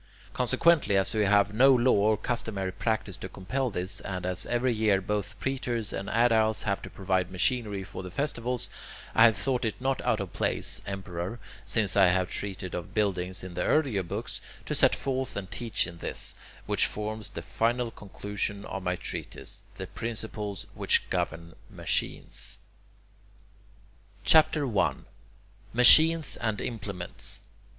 Consequently, as we have no law or customary practice to compel this, and as every year both praetors and aediles have to provide machinery for the festivals, I have thought it not out of place, Emperor, since I have treated of buildings in the earlier books, to set forth and teach in this, which forms the final conclusion of my treatise, the principles which govern machines. CHAPTER I MACHINES AND IMPLEMENTS 1.